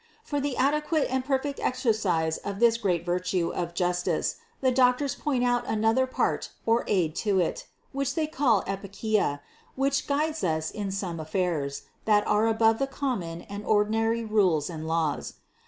568. For the adequate and perfect exercise of this great virtue of justice the doctors point out another part or aid to it, which they call epikeia, which guides us in some affairs, that are above the common and ordinary rules and laws.